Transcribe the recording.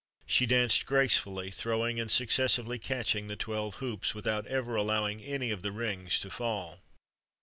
She danced gracefully, throwing and successively catching the twelve hoops, without ever allowing any of the rings to fall.